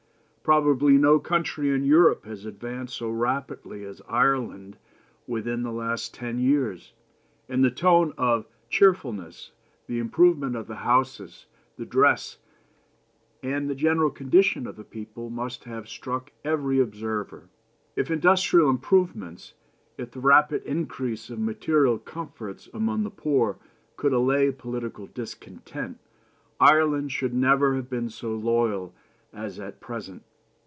... Probably no country in Europe has advanced so rapidly as Ireland within the last ten years, and the tone of cheerfulness, the improvement of the houses, the dress, and the general condition of the people must have struck every observer. ... If industrial improvement, if the rapid increase of material comforts among the poor, could allay political discontent, Ireland should never have been so loyal as at present.